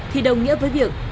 thì đồng nghĩa với việc